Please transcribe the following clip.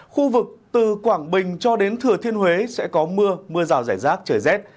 khu vực từ quảng bình cho đến thừa thiên huế sẽ có mưa mưa rào rải rác trời rét